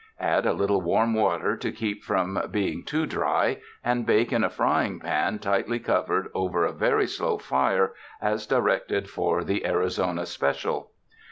Add a little warm water to keep from being too dry, and bake in a frying pan tightly covered over a very slow fire, as directed for the ''Arizona Special."